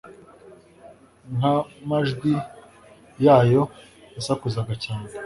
Nka majwi yayo yasakuzaga cyane